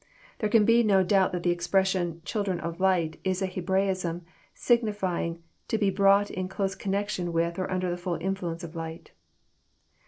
There can be no doubt that the expression "children of light" is a Hebraism, signifying "to be brought inclose connection with or under the ftill iufluence of light."